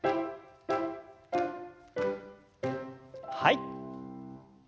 はい。